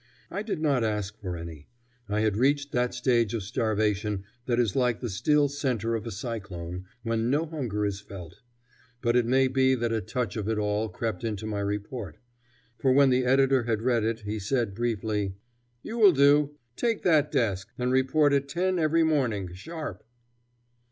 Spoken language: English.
I did not ask for any. I had reached that stage of starvation that is like the still centre of a cyclone, when no hunger is felt. But it may be that a touch of it all crept into my report; for when the editor had read it, he said briefly: "You will do. Take that desk, and report at ten every morning, sharp."